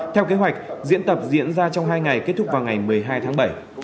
theo kế hoạch diễn tập diễn ra trong hai ngày kết thúc vào ngày một mươi hai tháng bảy